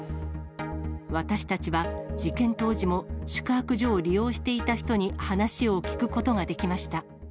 私たちは、事件当時も宿泊所を利用していた人に話を聞くことができました。